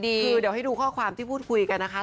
คือเดี๋ยวให้ดูข้อความที่พูดคุยกันนะคะ